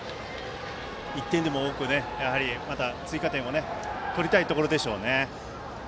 １点でも多く追加点を取りたいところでしょうね。